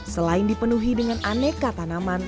selain dipenuhi dengan aneka tanaman